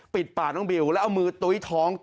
ปิดปากน้องบิวแล้วเอามือตุ้ยท้อง